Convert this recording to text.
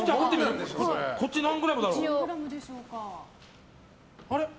こっち何グラムだろう。